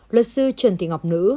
luật sư trần thị ngọc nữ